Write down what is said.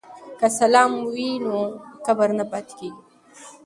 که سلام وي نو کبر نه پاتیږي.